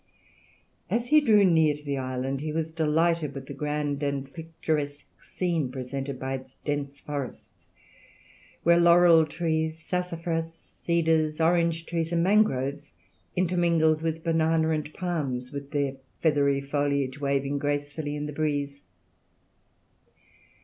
As he drew near to the island he was delighted with the grand and picturesque scene presented by its dense forests, where laurel trees, sassafras, cedars, orange trees, and mangroves intermingled with banana and other palms, with their feathery foliage waving gracefully in the breeze.